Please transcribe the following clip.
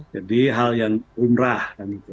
jadi hal yang rumrah